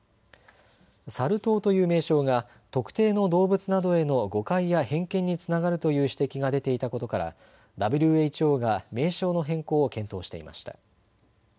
サル痘という名称が特定の動物などへの誤解や偏見につながるという指摘が出ていたことからＷＨＯが名称の変更を検討していました。